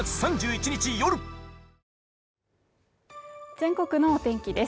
全国のお天気です